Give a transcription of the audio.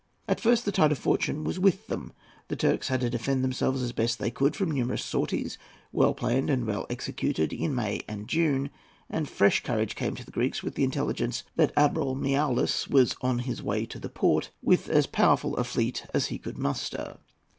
At first the tide of fortune was with them. The Turks had to defend themselves as best they could from numerous sorties, well planned and well executed, in May and June; and fresh courage came to the Greeks with the intelligence that Admiral Miaoulis was on his way to the port, with as powerful a fleet as he could muster.